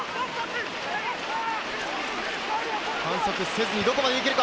反則せずにどこまでいけるか。